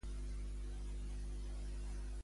I per quin tipus de grans empreses?